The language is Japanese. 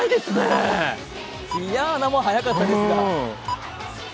ディアーナも速かったです。